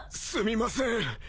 すみません。